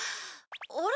あれ？